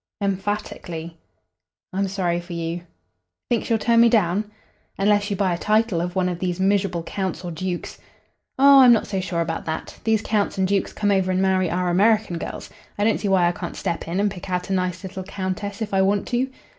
"Emphatically." "I'm sorry for you." "Think she'll turn me down?" "Unless you buy a title of one of these miserable counts or dukes." "Oh, I'm not so sure about that. These counts and dukes come over and marry our American girls. I don't see why I can't step in and pick out a nice little Countess if I want to."